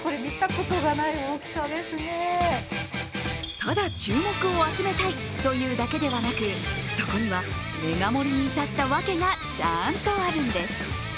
ただ注目を集めたいというだけではなく、そこにはメガ盛りに至った訳がちゃんとあるんです。